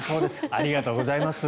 ありがとうございます。